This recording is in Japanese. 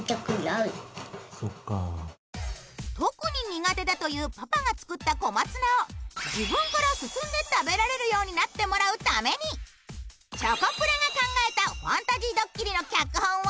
特に苦手だというパパが作った小松菜を自分から進んで食べられるようになってもらうためにチョコプラが考えたファンタジードッキリの脚本は。